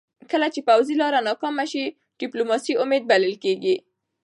کله چې پوځي لاره ناکامه سي، ډيپلوماسي امید بلل کېږي .